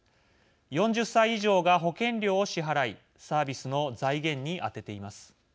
４０歳以上が保険料を支払いサービスの財源に充てています。